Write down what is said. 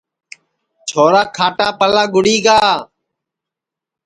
چھورا کھاٹاپاݪا گُڑی گا